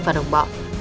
và đồng bọn